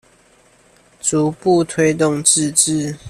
逐步推動自治